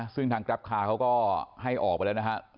ซึ่งทางกรับคลาเขาก็ให้ออกไปแล้วนะครับ